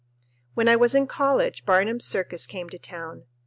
When I was in college Barnum's Circus came to town.